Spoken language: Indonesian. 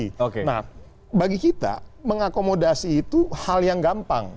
nah bagi kita mengakomodasi itu hal yang gampang